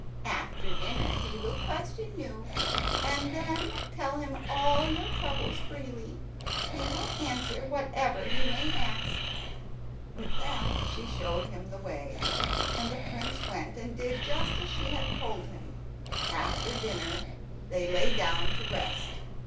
After dinner he will question you, and then tell him all your troubles freely. He will answer whatever you may ask." With that she showed him the way, and the prince went and did just as she had told him. After dinner they lay down to rest.